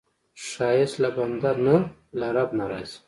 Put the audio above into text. ښایست له بنده نه، له رب نه راځي